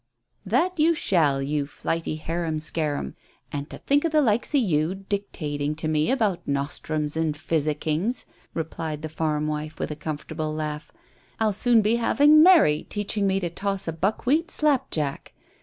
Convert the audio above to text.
"That you shall, you flighty harum scarum. And to think o' the likes o' you dictating to me about nostrums and physickings," replied the farm wife, with a comfortable laugh. "I'll soon be having Mary teaching me to toss a buckwheat 'slap jack.'